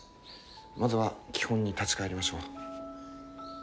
まずは基本に立ち返りましょう。